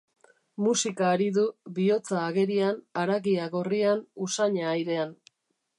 Musika ari du, bihotza agerian, haragia gorrian, usaina airean.